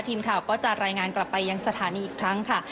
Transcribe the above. ทีมข่าวก็จะรายงานกลับไปยังสถานีอีกครั้งค่ะ